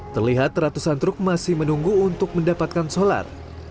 terlihat ratusan truk masih menunggu untuk mendapatkan solar